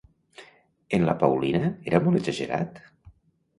En la Paulina era molt exagerat?